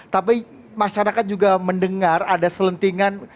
tapi masyarakat juga mendengar ada selentingan